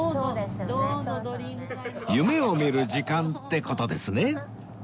夢を見る時間って事ですね